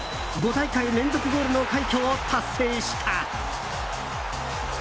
５大会連続ゴールの快挙を達成した。